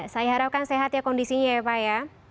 saya harapkan sehat ya kondisinya ya pak ya